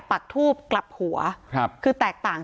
การแก้เคล็ดบางอย่างแค่นั้นเอง